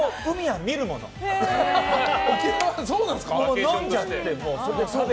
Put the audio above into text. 沖縄はそうなんですか。